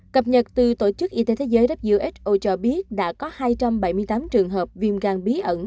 cập nhật từ tổ chức y tế thế giới who cho biết đã có hai trăm bảy mươi tám trường hợp viêm gan bí ẩn